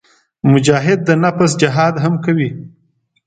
مجاهد د نفس جهاد هم کوي.